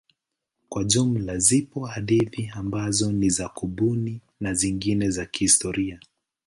Kwa jumla zipo hadithi ambazo ni za kubuni na zingine za kihistoria.